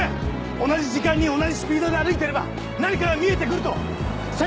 同じ時間に同じスピードで歩いていれば何かが見えてくると先輩たちがそう言ってた。